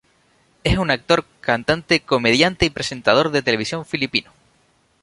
Es un actor, cantante comediante y presentador de televisión filipino.